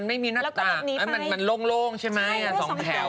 มันมีหน้าตามันลงใช่ไหมสองแถว